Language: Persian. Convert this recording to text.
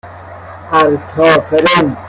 اَرتافرن